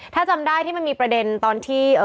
ถ้าจำได้ที่มันมีประเด็นตอนที่